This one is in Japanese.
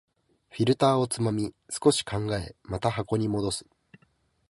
フィルターをつまみ、少し考え、また箱に戻す